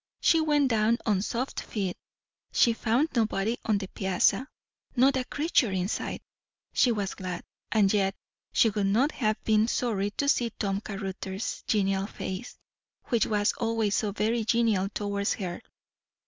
She went down on soft feet; she found nobody on the piazza, not a creature in sight; she was glad; and yet, she would not have been sorry to see Tom Caruthers' genial face, which was always so very genial towards her.